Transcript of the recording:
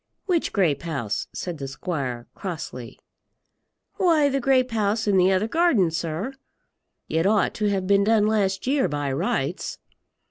"Which grape house?" said the squire, crossly. "Why, the grape house in the other garden, sir. It ought to have been done last year by rights."